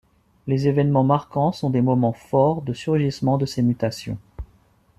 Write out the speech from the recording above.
Les événements marquants sont des moments forts de surgissement de ces mutations.